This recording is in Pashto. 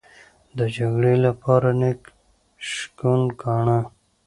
د جګړې لپاره نېک شګون گاڼه.